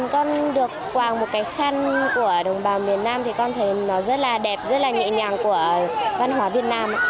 con được quàng một cái khăn của đồng bào miền nam thì con thấy nó rất là đẹp rất là nhẹ nhàng của văn hóa việt nam